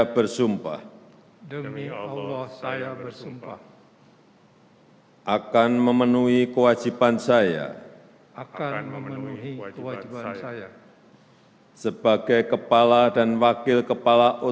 perhubungan dimohon kembali ke tempat semula